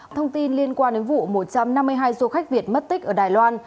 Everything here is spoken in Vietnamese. thông tin liên quan đến vụ một trăm năm mươi hai du khách việt mất tích ở đài loan